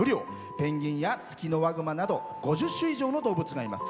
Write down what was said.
ペンギンやツキノワグマなど５０種以上の動物がいます。